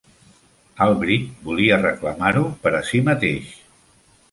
Albright volia reclamar-ho per a si mateix.